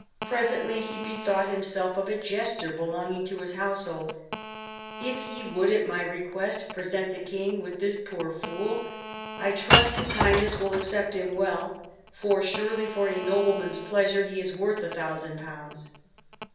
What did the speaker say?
Presently he bethought himself of a jester belonging to his household. " If ye would at my request present the king with this poor fool, I trust his Highness would accept him well, for surely for a nobleman's pleasure he is worth a thousand pounds."